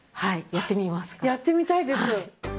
やってみたいです！